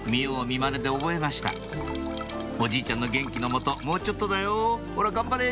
見まねで覚えましたおじいちゃんの元気のもともうちょっとだよほら頑張れ！